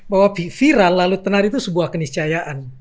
bahwa viral lalu tenar itu sebuah keniscayaan